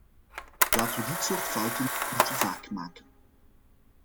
Laten we dit soort fouten niet te vaak maken.